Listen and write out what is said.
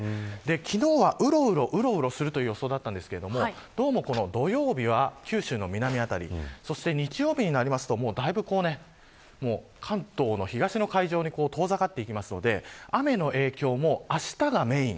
昨日は、うろうろするという予想だったんですけれどもどうも土曜日は、九州の南辺りそして日曜日になりますとだいぶ関東の東の海上に遠ざかっていきますので雨の影響もあしたがメーン。